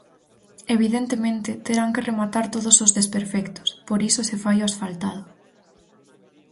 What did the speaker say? Evidentemente, terán que rematar todos os desperfectos, por iso se fai o asfaltado.